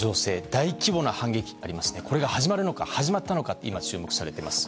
大規模な反撃が始まるのか、始まったのか今、注目されています。